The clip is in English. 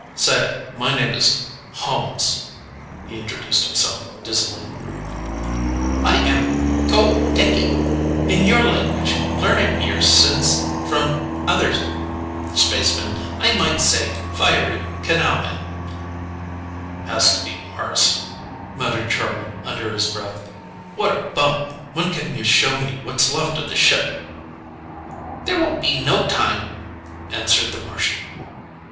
"Say, my name is Holmes," he introduced himself dizzily. "I am Kho Theki. In your language, learned years since from other spacemen, I might say 'Fiery Canalman.'" "Has to be Mars," muttered Charlie under his breath. "What a bump! When can you show me what's left of the ship?" "There will be no time," answered the Martian.